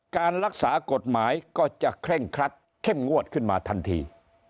การรักษากฎหมายก็จะเคร่งครัดเข้มงวดขึ้นมาทันที